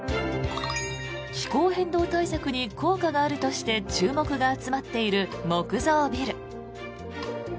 気候変動対策に効果があるとして注目が集まっている木造ビル。